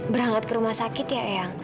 berangkat ke rumah sakit ya eyang